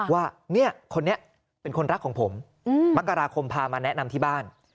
ว่าเนี่ยคนนี้เป็นคนรักของผมมกราคมพามาแนะนำที่บ้าน